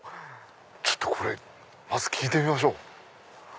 ちょっとまず聞いてみましょう。